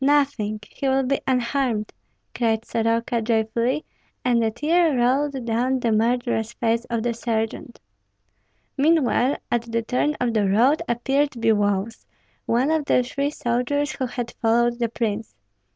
nothing! he will be unharmed," cried Soroka, joyfully; and a tear rolled down the murderous face of the sergeant. Meanwhile at the turn of the road appeared Biloüs, one of the three soldiers who had followed the prince.